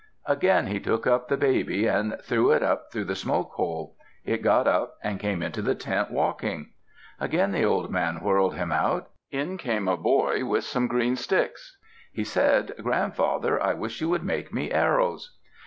Again he took up the baby and threw it up through the smoke hole. It got up and came into the tent walking. Again the old man whirled him out. In came a boy with some green sticks. He said, "Grandfather, I wish you would make me arrows."